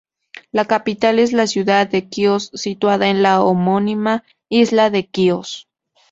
La capital es la ciudad de Quíos, situada en la homónima isla de Quíos.